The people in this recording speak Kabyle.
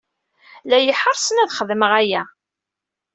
La iyi-ḥeṛṛsen ad xedmeɣ aya.